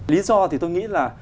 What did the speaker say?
lý do thì tôi nghĩ là